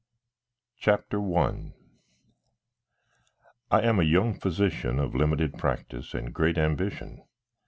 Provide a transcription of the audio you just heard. CHAPTER I I am a young physician of limited practice and great ambition.